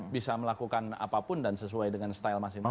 bisa melakukan apapun dan sesuai dengan style masing masing